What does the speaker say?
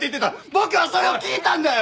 僕はそれを聞いたんだよ！